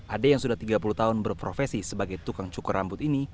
ade yang sudah tiga puluh tahun berprofesi sebagai tukang cukur rambut ini